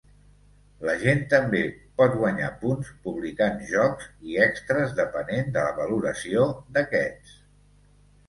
La gent també pot guanyar punts publicant jocs, i extres depenent de la valoració d'aquests.